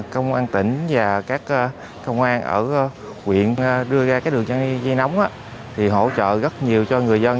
công an tỉnh và các công an ở quyện đưa ra đường dây nóng thì hỗ trợ rất nhiều cho người dân